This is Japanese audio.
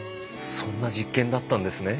そんな実験だったんですね